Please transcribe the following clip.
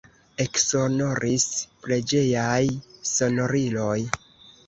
Eksonoris preĝejaj sonoriloj.